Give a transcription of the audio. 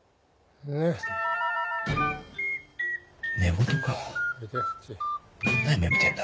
寝言かどんな夢見てんだ？